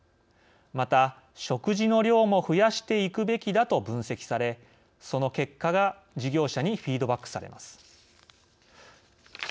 また、食事の量も増やしていくべきだと分析され、その結果が事業者にフィードバックされます。